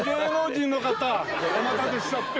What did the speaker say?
お待たせしちゃって。